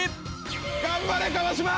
頑張れ川島！